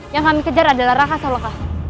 yang kami kejar adalah raka saloka